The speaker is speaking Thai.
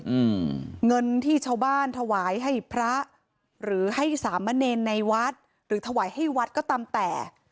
อืมเงินที่ชาวบ้านถวายให้พระหรือให้สามเณรในวัดหรือถวายให้วัดก็ตามแต่